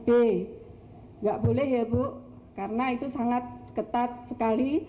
tidak boleh ya ibu karena itu sangat ketat sekali